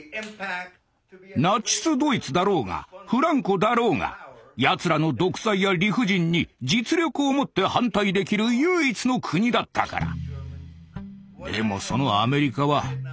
ナチスドイツだろうがフランコだろうがやつらの独裁や理不尽に実力をもって反対できる唯一の国だったから。